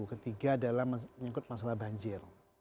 ketiga adalah menyangkut masalah banjir